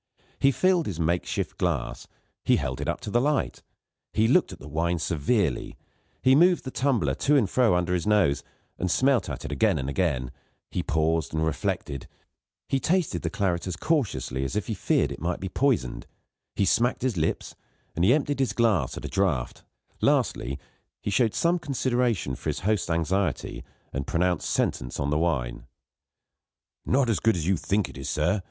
He filled his makeshift glass, he held it up to the light, and looked at the wine severely; he moved the tumbler to and fro under his nose, and smelt at it again and again; he paused and reflected; he tasted the claret as cautiously as if he feared it might be poisoned; he smacked his lips, and emptied his glass at a draught; lastly, he showed some consideration for his host's anxiety, and pronounced sentence on the wine. "Not so good as you think it, sir.